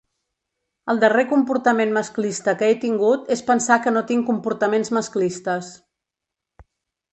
El darrer comportament masclista que he tingut és pensar que no tinc comportaments masclistes.